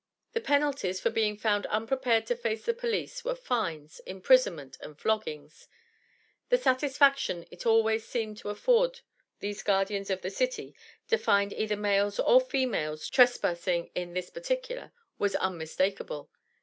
The penalties for being found unprepared to face the police were fines, imprisonment and floggings. The satisfaction it seemed always to afford these guardians of the city to find either males or females trespassing in this particular, was unmistakable.